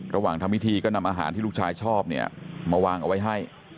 ทำพิธีก็นำอาหารที่ลูกชายชอบเนี่ยมาวางเอาไว้ให้